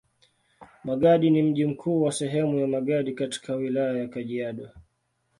Magadi ni mji mkuu wa sehemu ya Magadi katika Wilaya ya Kajiado.